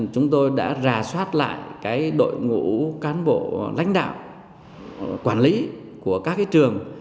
chúng tôi đã rà soát lại cái đội ngũ cán bộ lãnh đạo quản lý của các cái trường